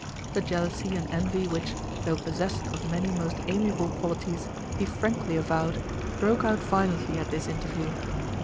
The jealousy and envy which, though possessed of many most amiable qualities, he frankly avowed, broke out violently at this interview.